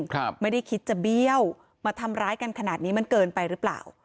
ครับไม่ได้คิดจะเบี้ยวมาทำร้ายกันขนาดนี้มันเกินไปหรือเปล่า